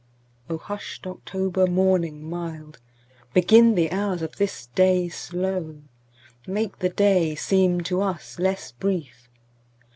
O hushed October morning mild, Begin the hours of this day slow, Make the day seem to us less brief.